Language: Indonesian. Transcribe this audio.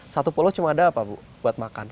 satu polo cuma ada apa bu buat makan